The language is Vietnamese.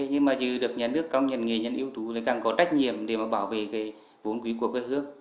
nhưng mà như được nhà nước công nhận nghệ nhân yếu tố thì càng có trách nhiệm để bảo vệ vốn quý của cơ hước